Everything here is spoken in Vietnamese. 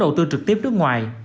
nhằm vốn đầu tư trực tiếp nước ngoài